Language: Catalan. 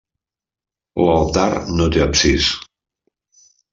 L'altar no té absis.